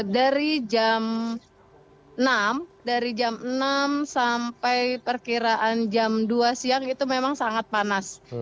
dari jam enam sampai perkiraan jam dua siang itu memang sangat panas